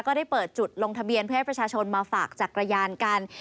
ได้เปิดจุดลงทะเบียนเพื่อให้ประชาชนมาฝากจักรยานกัน